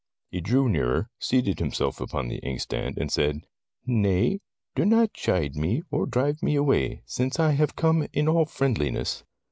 He drew nearer, seated himself upon the inkstand and said: "Nay, do not chide me, nor drive me away, since I have come in all friendliness.